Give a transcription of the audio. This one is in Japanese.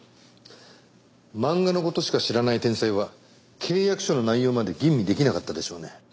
漫画の事しか知らない天才は契約書の内容まで吟味出来なかったでしょうね。